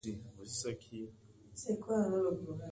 Hwá rzúwɛ̀lɛ̀lɛ̀ ndí ó tǔ.